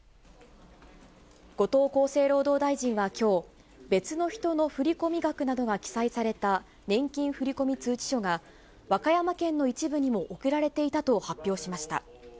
後藤厚生労働大臣はきょう、別の人の振込額などが記載された年金振込通知書が、和歌山県の一部にも送られていたと発表しました。